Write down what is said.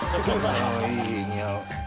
いいいい似合う。